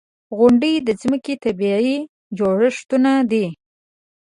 • غونډۍ د ځمکې طبعي جوړښتونه دي.